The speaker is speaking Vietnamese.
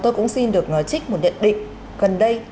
tôi cũng xin được nói trích một điện định